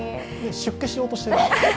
出家しようとしてる？